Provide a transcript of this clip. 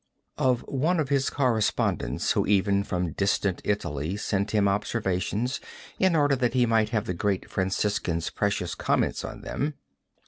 Of one of his correspondents who even from distant Italy sent him his observations in order that he might have the great Franciscan's precious comments on them.